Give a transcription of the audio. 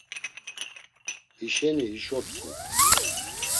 Hişeni hişo t̆ǩu.